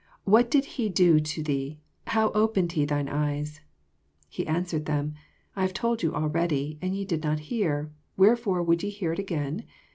What did he do to thee 7 how opened he thine eyes 7 27 He answered them, I have told you already, and ye did not hoar: wherefore would ye hear ii again?